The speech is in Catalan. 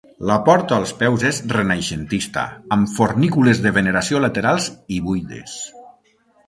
La porta als peus és renaixentista, amb fornícules de veneració laterals i buides.